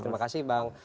terima kasih bang